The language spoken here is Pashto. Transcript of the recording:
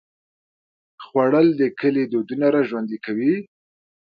خوړل د کلي دودونه راژوندي کوي